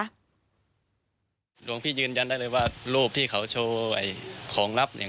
หลวงพี่ยืนยันได้เลยว่ารูปที่เขาโชว์ของลับเนี่ย